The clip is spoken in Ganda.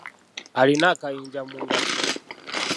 Alina akayinja mu ngatto.